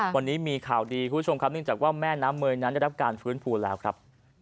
วันนี้มีข่าวดีคุณผู้ชมครับเนื่องจากว่าแม่น้ำเมยนั้นได้รับการฟื้นฟูแล้วครับ